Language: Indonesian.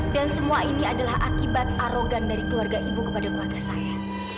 dan semua ini adalah akibat arogan dari keluarga ibu kepada keluarga saya